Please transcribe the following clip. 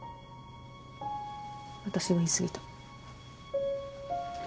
私が言い過ぎた。